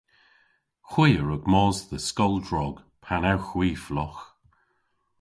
Hwi a wrug mos dhe skol drog pan ewgh hwi flogh.